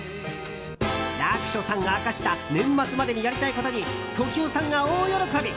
役所さんが明かした年末までにやりたいことに時生さんが大喜び。